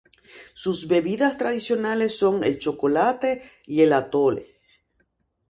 Sus bebidas tradicionales son el chocolate y el atole.